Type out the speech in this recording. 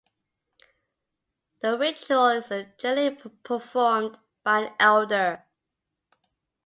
The ritual is generally performed by an elder.